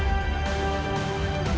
aku mau pergi